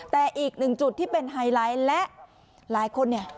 แต่อีกหนึ่งจุดที่เป็นไฮไลท์และหลายคนเนี่ย